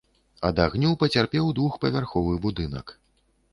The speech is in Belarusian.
Ад агню пацярпеў двухпавярховы будынак.